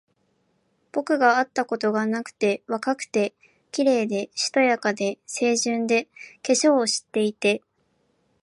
僕があったことがなくて、若くて、綺麗で、しとやかで、清純で、化粧を知っていて、